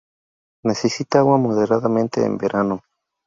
Necesita agua moderadamente en verano.